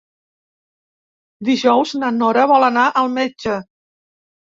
Dijous na Nora vol anar al metge.